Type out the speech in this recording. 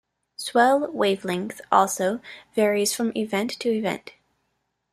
Swell wavelength, also, varies from event to event.